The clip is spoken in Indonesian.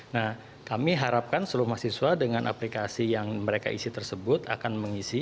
nah kami harapkan seluruh mahasiswa dengan aplikasi yang mereka isi tersebut akan mengisi